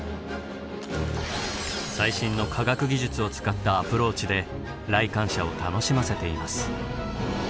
最新の科学技術を使ったアプローチで来館者を楽しませています。